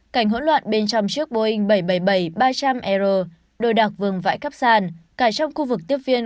cảnh hỗn loạn bên trong chiếc boeing bảy trăm bảy mươi bảy ba trăm linh a đồi đạc vừng vãi cắp sàn cả trong khu vực tiếp viên